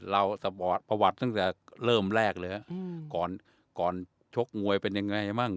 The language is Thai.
สบอร์ดประวัติตั้งแต่เริ่มแรกเลยฮะก่อนก่อนชกมวยเป็นยังไงบ้าง